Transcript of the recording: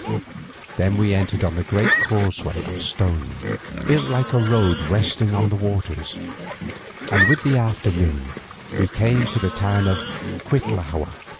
Then we entered on the great causeway of stone built like a road resting on the waters, and with the afternoon we came to the town of Cuitlahuac.